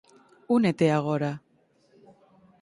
Únete agora.